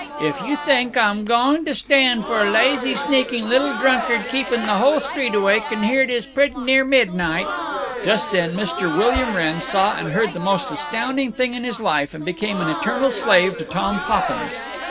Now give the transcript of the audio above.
"If you think Ah'm going to stand for a lazy sneaking little drunkard keeping the whole street awake, and here it is prett' nearly midnight—" Just then Mr. William Wrenn saw and heard the most astounding thing of his life, and became an etemal slave to Tom Poppins.